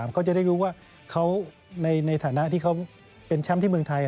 เขาจะได้รู้ว่าในฐานะที่เขาเป็นแชมป์ที่เมืองไทย